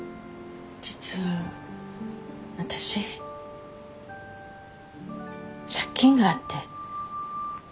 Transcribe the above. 実は私借金があって。